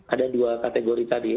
ada dua kategori tadi